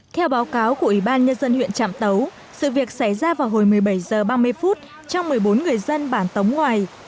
theo báo cáo của ủy ban nhân dân huyện trạm tấu sự việc xảy ra vào hồi một mươi bảy h ba mươi phút trong một mươi bốn người dân bản tống ngoài